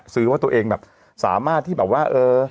ซื้อว่าตัวเองสามารถที่แบบว่า